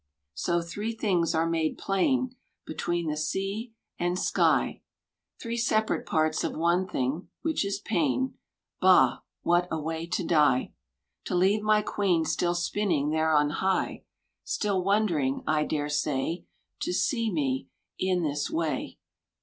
So three things are made plain Between the sea and sky: [301 Three separate parts of one thing, which is Pain ... Bah, what a way to die I — To leave my Queen still spinning there on high, Still wondering, I dare say. To see me in this way